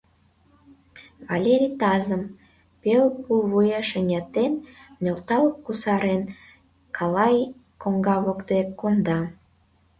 Валерий тазым, пел пулвуеш эҥертен, нӧлтал-кусарен, калай коҥга воктек конда.